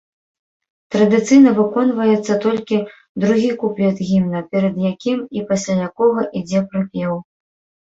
Традыцыйна выконваецца толькі другі куплет гімна, перад якім і пасля якога ідзе прыпеў.